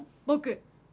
僕。